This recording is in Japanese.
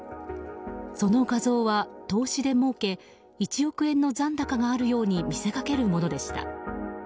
その画像は、投資でもうけ１億円の残高があるように見せかけるものでした。